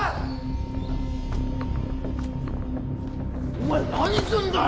お前何すんだよ！